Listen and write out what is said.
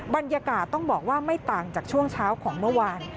บรรยากาศต้องบอกว่าไม่ต่างจากช่วงเช้าของเมื่อวาน